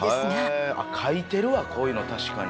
書いてるわこういうの確かに。